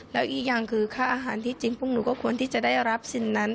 แล้วอีกอย่างคือค่าอาหารที่จริงพวกหนูก็ควรที่จะได้รับสิ่งนั้น